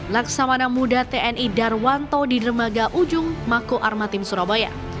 laksamana muda tni darwanto di dermaga ujung mako armatim surabaya